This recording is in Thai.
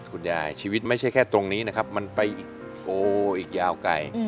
คุณยายชีวิตไม่ใช่แค่ตรงนี้นะครับมันไปอีกโอ้อีกยาวไกล